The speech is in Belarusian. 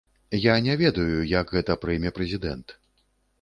Я не ведаю, як гэта прыме прэзідэнт.